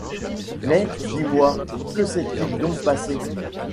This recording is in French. Mais, dis-moi, que s’est-il donc passé?